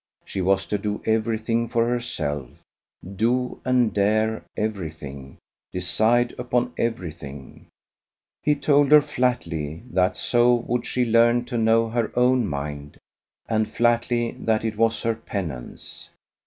She was to do everything for herself, do and dare everything, decide upon everything. He told her flatly that so would she learn to know her own mind; and flatly, that it was her penance.